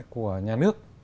của nhà nước